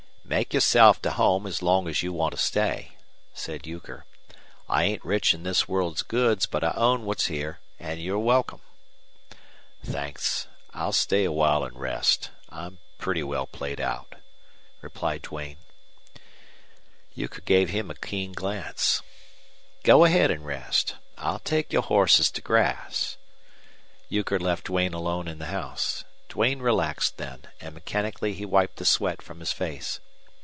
"Make yourself to home as long as you want to stay," said Euchre. "I ain't rich in this world's goods, but I own what's here, an' you're welcome." "Thanks. I'll stay awhile and rest. I'm pretty well played out," replied Duane. Euchre gave him a keen glance. "Go ahead an' rest. I'll take your horses to grass." Euchre left Duane alone in the house. Duane relaxed then, and mechanically he wiped the sweat from his face.